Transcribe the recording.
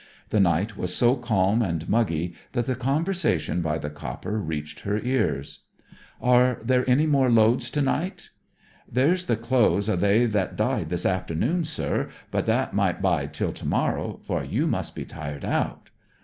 The night was so calm and muggy that the conversation by the copper reached her ears. 'Are there many more loads to night?' 'There's the clothes o' they that died this afternoon, sir. But that might bide till to morrow, for you must be tired out.'